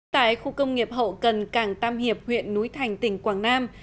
tại khu công nghiệp hậu cần cảng tam hiệp huyện núi thành tỉnh quảng nam